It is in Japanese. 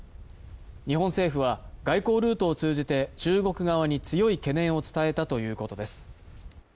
日本政府は、外交ルートを通じて中国側に強い懸念を伝えたということです。